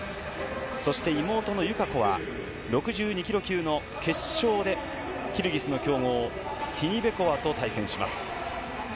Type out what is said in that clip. そして妹の友香子は、６２キロ級の決勝で、キルギスの強豪、ティニベコアと対戦します。